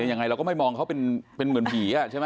ยังไงเราก็ไม่มองเขาเป็นเหมือนผีใช่ไหม